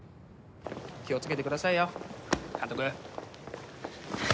気を付けてくださいよ監督。